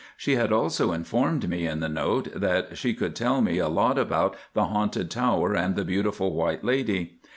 She had also informed me in the note that she could tell me a lot about the Haunted Tower and the Beautiful White Lady.